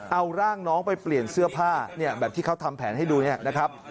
เอาร่างน้องไปเปลี่ยนเสื้อผ้าเนี่ยแบบที่เขาทำแผนให้ดูเนี่ยนะครับ